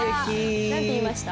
何て言いました？